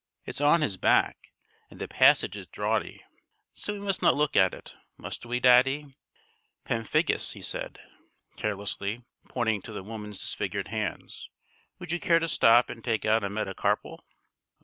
"It's on his back and the passage is draughty, so we must not look at it, must we, daddy? Pemphigus," he added carelessly, pointing to the woman's disfigured hands. "Would you care to stop and take out a metacarpal?"